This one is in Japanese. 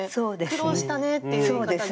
「苦労したね」っていう言い方で。